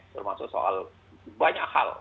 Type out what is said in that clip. termasuk soal banyak hal